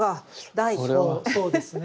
そうですね。